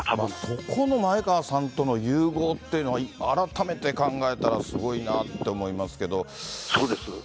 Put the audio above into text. そこの前川さんとの融合っていうのは改めて考えたら、すごいそうです。